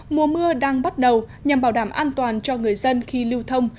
mùa mưa đang bắt đầu nhằm bảo đảm an toàn cho người dân khi lưu thông